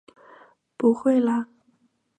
不会啦！